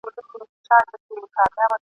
شېبه وروسته په توند باد کي ورکېده دي ..